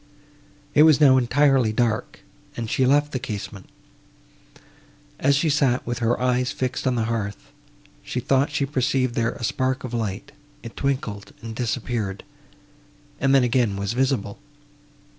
It was now entirely dark, and she left the casement. As she sat with her eyes fixed on the hearth, she thought she perceived there a spark of light; it twinkled and disappeared, and then again was visible.